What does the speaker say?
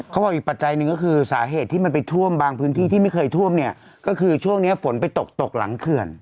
เขาบอกอีกปัจจัยหนึ่งก็คือสาเหตุที่มันไปท่วมบางพื้นที่ที่ไม่เคยท่วมเนี่ยก็คือช่วงเนี้ยฝนไปตกตกหลังเขื่อน